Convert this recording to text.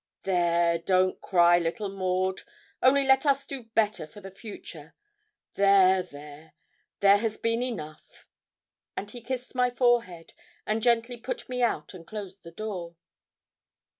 'There don't cry, little Maud only let us do better for the future. There there there has been enough.' And he kissed my forehead, and gently put me out and closed the door.